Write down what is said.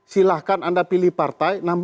silahkan anda pilih partai